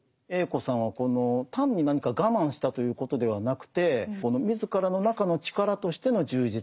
Ａ子さんはこの単に何か我慢したということではなくて自らの中の力としての充実